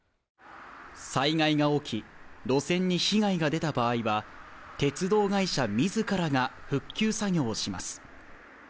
災害が起き、路線に被害が出た場合は鉄道会社自らが復旧作業をします。